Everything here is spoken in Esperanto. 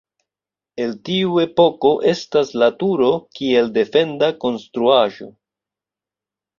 El tiu epoko estas la turo kiel defenda konstruaĵo.